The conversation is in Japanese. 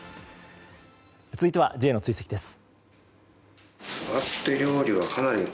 続いてはＪの追跡です。